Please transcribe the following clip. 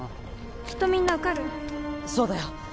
きっとみんな受かるそうだよ